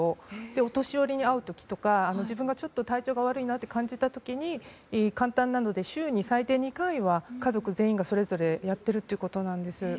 お年寄りに会う時とか自分がちょっと体調が悪いと感じた時に簡単なので週に最低２回は家族全員がそれぞれやっているということです。